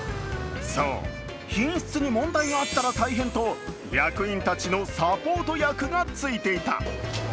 そう、品質に問題があったら大変と役員たちのサポート役がついていた。